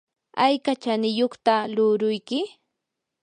¿ayka chaniyuqtaq luuruyki?